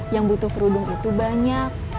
yang butuh kerudung itu banyak